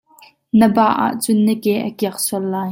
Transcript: Na bah ahcun na ke a kiak sual lai.